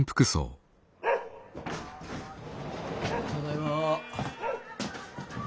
ただいま。